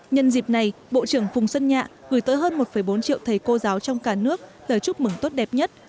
nhân dịp này bộ trưởng phùng xuân nhạ gửi tới hơn một bốn triệu thầy cô giáo trong cả nước lời chúc mừng tốt đẹp nhất